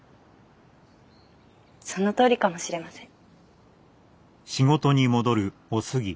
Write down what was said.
そのとおりかもしれません。